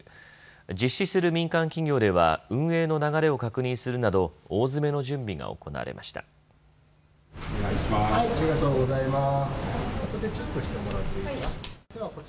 実施する民間企業では運営の流れを確認するなど大詰めの準備が行われました。